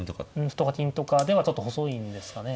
歩とか金とかではちょっと細いんですかね。